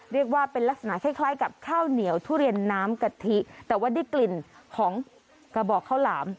เรียกว่าเป็นลักษณะคล้ายคล้ายกับข้าวเหนียวทุเรียนน้ำกะทิแต่ว่าได้กลิ่นของกระบอกข้าวหลาม